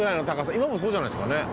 今もそうじゃないですかね？